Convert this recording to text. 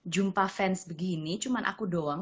jumpa fans begini cuma aku doang